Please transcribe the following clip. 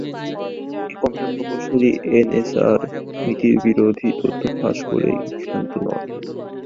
এই কম্পিউটার প্রকৌশলী এনএসএর নীতিবিরোধী তথ্য ফাঁস করেই ক্ষান্ত হননি।